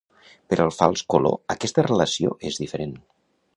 Per al fals color aquesta relació és diferent.